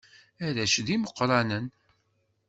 Arrac d imeqqranen.